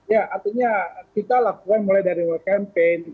ya artinya kita lakukan mulai dari world campaign